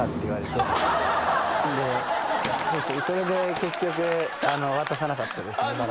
それで結局渡さなかったですね